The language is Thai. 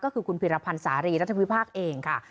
ก็คือคุณพิรพันธ์สารีรัฐวิพากษ์เองค่ะ